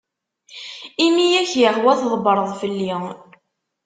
Imi i ak-yehwa tḍbbreḍ fell-i.